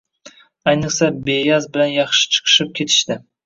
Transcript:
ayniqsa Beyaz bilan yaxshi chiqishib ketishdi.